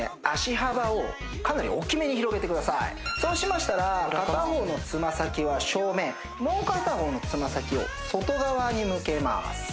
脚幅をかなり大きめに広げてくださいそうしましたら片方のつま先は正面もう片方のつま先を外側に向けます